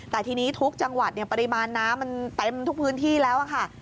แต่ทีนี้ทุกจังหวัดปริมาณน้ำมันเต็มทุกพื้นที่แล้วค่ะ